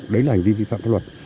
đấy là hành vi vi phạm pháp luật